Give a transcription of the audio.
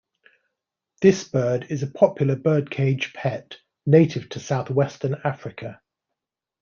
This bird is a popular birdcage pet, native to southwestern Africa.